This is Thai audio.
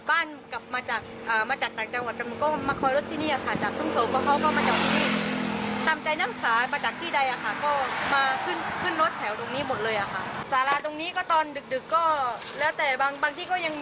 แล้วก็จะมีเด็กมองกฎตั้งกฎเท้นอะไรแบบนี้ค่ะ